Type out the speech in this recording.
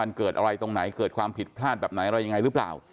มันเกิดอะไรตรงไหนเกิดความผิดพลาดแบบไหนอะไรยังไงหรือเปล่า